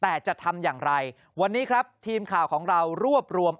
แต่จะทำอย่างไรวันนี้ครับทีมข่าวของเรารวบรวม